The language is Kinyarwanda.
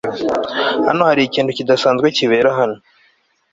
Hano hari ikintu kidasanzwe kibera hano